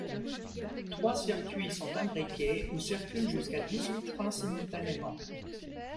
Trois circuits sont imbriqués où circulent jusqu'à dix huit trains simultanément.